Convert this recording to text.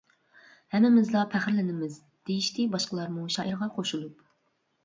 -ھەممىمىزلا پەخىرلىنىمىز، -دېيىشتى باشقىلارمۇ شائىرغا قوشۇلۇپ.